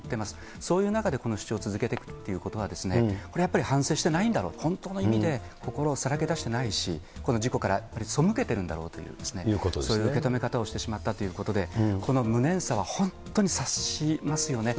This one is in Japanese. そういう中でこの主張を続けていくということは、これやっぱり反省してないんだろう、本当の意味で心をさらけ出していないし、この事故からやっぱりそむけてるんだろうと、そういう受け止め方をしてしまったということで、この無念さは本当に察しますよね。